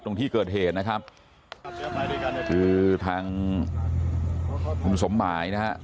ตรงที่เกิดเหตุนะครับคือทางคุณสมหมายนะฮะ